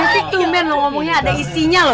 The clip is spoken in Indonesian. ibu siti kemen lo ngomongnya ada isinya loh